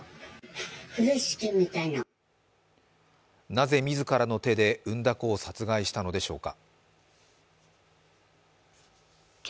なぜ自らの手で産んだ子を殺害したのでしょうか。